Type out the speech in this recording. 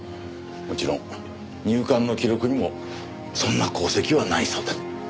もちろん入管の記録にもそんな痕跡はないそうだ。